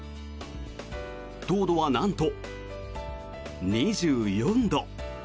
糖度はなんと２４度。